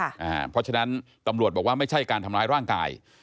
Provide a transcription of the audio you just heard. เพราะฉะนั้นตำรวจบอกว่าไม่ใช่การทำร้ายร่างกาย